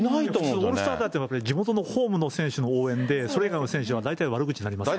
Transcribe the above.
普通、オールスターって、地元のホームの選手の応援で、それ以外の選手は大体悪口になりますから。